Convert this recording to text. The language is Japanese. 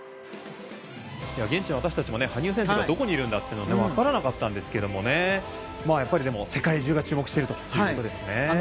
現地、私たちも羽生選手がどこにいるんだというのが分からなかったんですけども世界中が注目しているということですね。